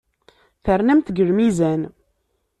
Ternamt deg lmizan.